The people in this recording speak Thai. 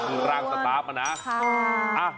คือรางสต๊อบมานะ